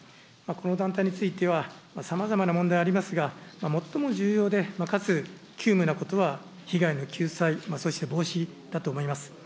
この団体についてはさまざまな問題がありますが、最も重要でかつ急務なことは被害の救済、そして防止だと思います。